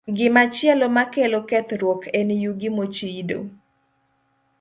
Gimachielo makelo kethruok en yugi mochido.